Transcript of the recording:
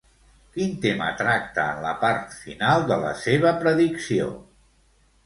Quin tema tracta en la part final de la seva predicció?